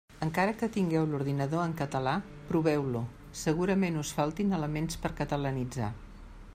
Encara que tingueu l'ordinador en català, proveu-lo: segurament us faltin elements per catalanitzar.